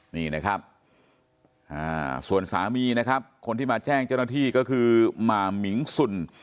นี่นะครับส่วนสามีนะครับคนที่มาแจ้งเจ้าหน้าที่ก็คือหมามิงสุ่น